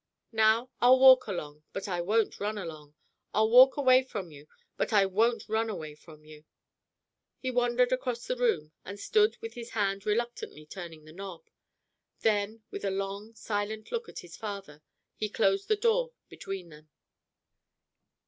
"Now I'll walk along, but I won't run along. I'll walk away from you, but I won't run away from you." He wandered across the room, and stood with his hand reluctantly turning the knob. Then with a long, silent look at his father he closed the door between them.